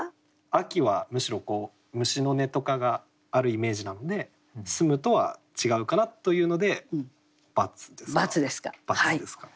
秋はむしろ虫の音とかがあるイメージなので澄むとは違うかなというので×ですか。